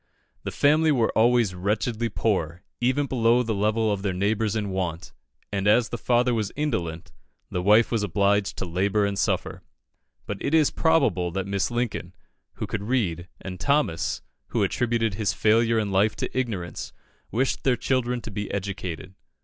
The family were always wretchedly poor, even below the level of their neighbours in want; and as the father was indolent, the wife was obliged to labour and suffer. But it is probable that Mrs. Lincoln, who could read, and Thomas, who attributed his failure in life to ignorance, wished their children to be educated.